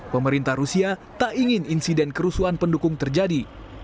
pemerintah rusia tak ingin insiden kerusuhan pendukung terjadi